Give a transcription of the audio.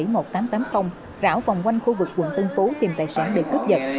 m một trăm bảy mươi một nghìn tám trăm tám mươi rảo vòng quanh khu vực quận tân phú tìm tài sản để cướp giật